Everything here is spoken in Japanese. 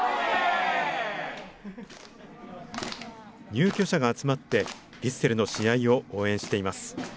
入居者が集まって、ヴィッセルの試合を応援しています。